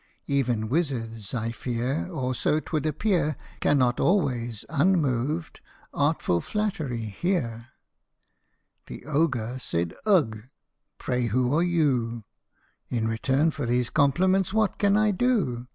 Even wizards, I fear, or so 't would appear, Cannot always, unmoved, artful flattery hear. The Ogre said, "Ugh! Pray who are you f In return for these compliments what can I do